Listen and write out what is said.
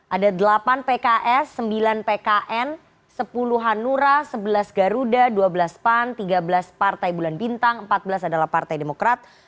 ada delapan pks sembilan pkn sepuluh hanura sebelas garuda dua belas pan tiga belas partai bulan bintang empat belas adalah partai demokrat